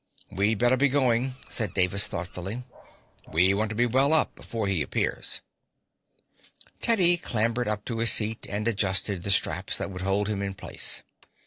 "We'd better be going," said Davis thoughtfully. "We want to be well up before he appears." Teddy clambered up to his seat and adjusted the straps that would hold him in place.